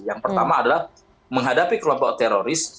yang pertama adalah menghadapi kelompok teroris